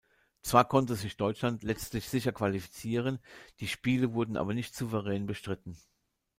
Zwar konnte sich Deutschland letztlich sicher qualifizieren, die Spiele wurden aber nicht souverän bestritten.